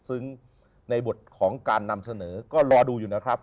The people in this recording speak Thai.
ซึ่งในบทของการนำเสนอก็รอดูอยู่นะครับ